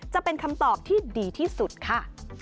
จะเป็นคำตอบที่ดีที่สุดค่ะ